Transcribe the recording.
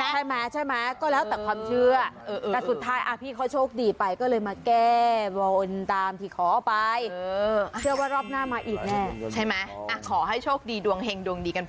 แต่เขาไม่ได้หยิบเอง